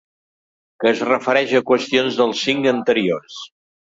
Que es refereix a qüestions dels cinc anteriors.